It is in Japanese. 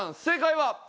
正解は？